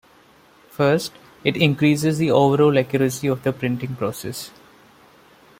First, it increases the overall accuracy of the printing process.